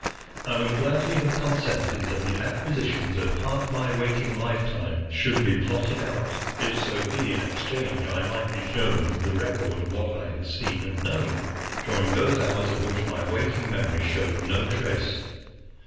I would gladly have consented that the acquisitions of half my waking lifetime should be blotted out, if so be in exchange I might be shown the record of what I had seen and known during those hours of which my waking memory showed no trace.